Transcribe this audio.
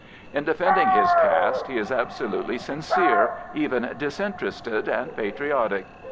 In defending his caste he is absolutely sincere, even disinterested and patriotic.